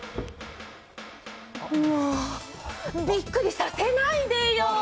もう、びっくりさせないでよ。